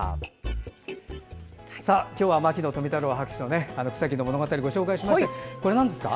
今日は「牧野博士とめぐる草木の物語」ご紹介しましたがこれはなんですか？